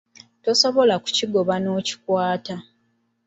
Tosobola kukigoba n’okikwata.